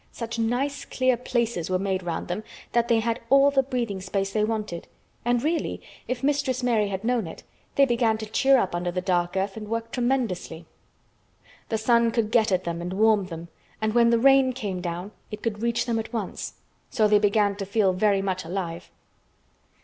Such nice clear places were made round them that they had all the breathing space they wanted, and really, if Mistress Mary had known it, they began to cheer up under the dark earth and work tremendously. The sun could get at them and warm them, and when the rain came down it could reach them at once, so they began to feel very much alive.